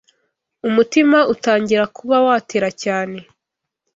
Umutima utangira kuba watera cyane,